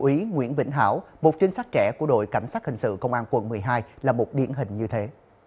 úy nguyễn vĩnh hảo một trinh sát trẻ của đội cảnh sát hình sự công an quận một mươi hai là một điển hình như thế